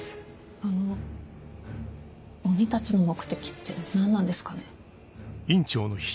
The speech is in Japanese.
鬼たちの目的って何なんですかね？